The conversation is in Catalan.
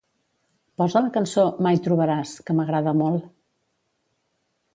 Posa la cançó "Mai trobaràs", que m'agrada molt